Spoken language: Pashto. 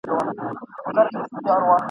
چي تر خوله یې د تلک خوږې دانې سوې ..